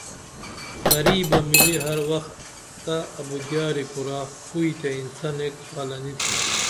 غریبہ ملی ہر وختہ ابودیاری کُرا، کوئیتے، اِنسن ایک خالہ نی تھینا